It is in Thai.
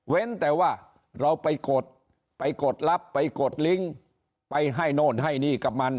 แต่ว่าเราไปกดไปกดลับไปกดลิงค์ไปให้โน่นให้นี่กับมัน